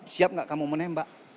siap nggak kamu menembak